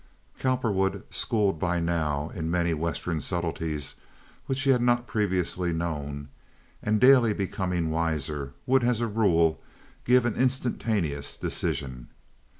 Cowperwood, schooled by now in many Western subtleties which he had not previously known, and daily becoming wiser, would as a rule give an instantaneous decision.